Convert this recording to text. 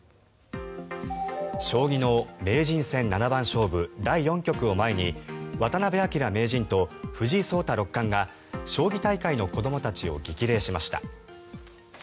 将棋の名人戦七番勝負第４局を前に渡辺明名人と藤井聡太竜王が将棋大会の子どもたちを激励しました。